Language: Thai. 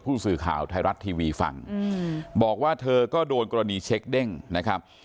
ผู้สื่อข่าวไทยรัฐทีวีฟังบอกว่าเธอก็โดนกรณีเช็คเด้งนะครับ